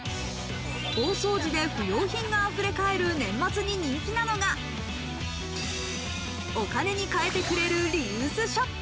大掃除で不用品があふれかえる年末に人気なのがお金に換えてくれるリユースショップ。